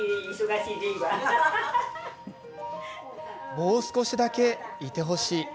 もう少しだけ、いてほしい。